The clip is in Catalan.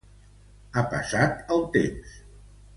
Ha passat el temps.